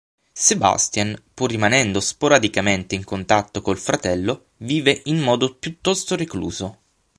Sebastian, pur rimanendo sporadicamente in contatto col fratello, vive in modo piuttosto recluso.